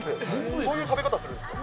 どういう食べ方するんですか？